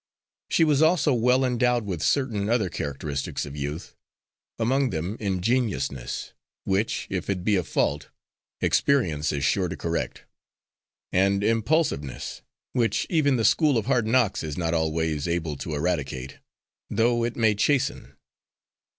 She was also well endowed with certain other characteristics of youth; among them ingenuousness, which, if it be a fault, experience is sure to correct; and impulsiveness, which even the school of hard knocks is not always able to eradicate, though it may chasten.